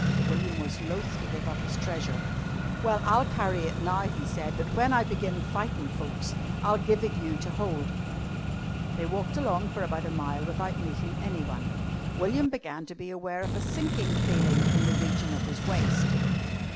William was loth to give up his treasure. "Well, I'll carry it now," he said, "but when I begin' fightin' folks, I'll give it you to hold." They walked along for about a mile without meeting anyone. William began to be aware of a sinking feeling in the region of his waist.